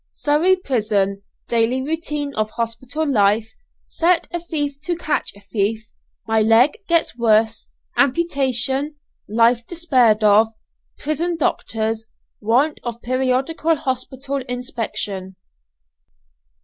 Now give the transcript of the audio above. SURREY PRISON DAILY ROUTINE OF HOSPITAL LIFE SET A THIEF TO CATCH A THIEF MY LEG GETS WORSE AMPUTATION LIFE DESPAIRED OF PRISON DOCTORS WANT OF PERIODICAL HOSPITAL INSPECTION.